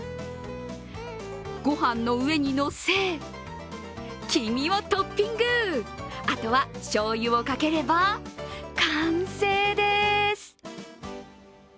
御飯の上にのせ、黄身をトッピングあとは、しょうゆをかければ完成です。